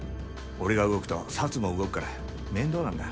俺が動くとサツも動くから面倒なんだ。